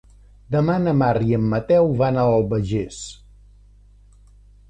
Demà na Mar i en Mateu van a l'Albagés.